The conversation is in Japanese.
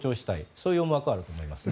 そういう思惑があると思いますね。